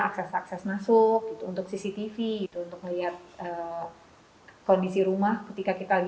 akses akses masuk untuk cctv gitu untuk melihat kondisi rumah ketika kita